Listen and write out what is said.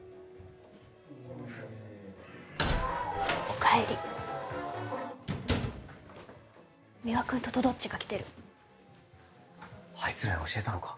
おかえり三輪君ととどっちが来てるあいつらに教えたのか？